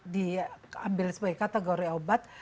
diambil sebagai kategori obat